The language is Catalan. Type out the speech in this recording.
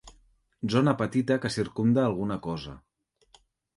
Zona petita que circumda alguna cosa.